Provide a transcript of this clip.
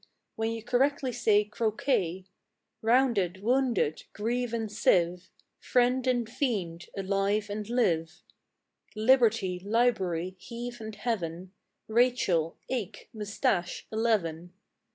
When you say correctly croquet; Rounded, wounded; grieve and sieve; Friend and fiend; alive and live; Liberty, library; heave and heaven; Rachel, ache, moustache; eleven.